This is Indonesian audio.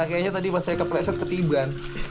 kayaknya tadi pas saya kepleset ketiban